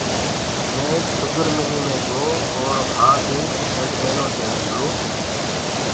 مي ايڪ شُگر ملي مي گو اور وهآنٚ ايڪ ايڊمينو دي مِلرو۔